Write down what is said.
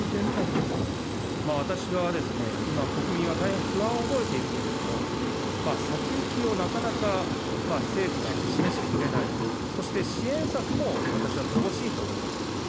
私は今、国民は大変不安を覚えているけれども、先行きをなかなか政府が示してくれない、そして支援策も私は乏しいと思いますよ。